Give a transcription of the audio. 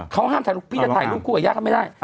ที่จะถ่ายลูกคู่กันไม่ได้